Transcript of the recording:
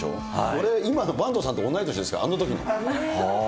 俺、今の坂東さんと同い年ですから、あのときの。